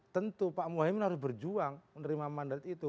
tentu pak muhaymin harus berjuang menerima mandat itu